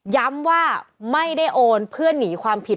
ย้ำว่าไม่ได้โอนเพื่อหนีความผิด